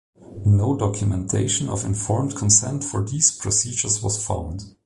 No documentation of informed consent for these procedures was found.